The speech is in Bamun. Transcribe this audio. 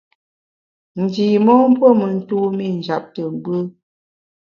Ndi mon puo me ntumî njap te gbù.